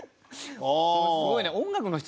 すごいね。